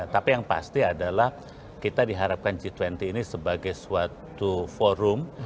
tapi yang pasti adalah kita diharapkan g dua puluh ini sebagai suatu forum